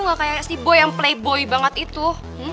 gak kayak si boy yang playboy banget itu ya